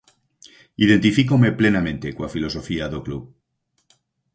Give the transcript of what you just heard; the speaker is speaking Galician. Identifícome plenamente coa filosofía do club.